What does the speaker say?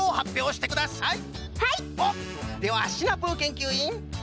おっではシナプーけんきゅういん。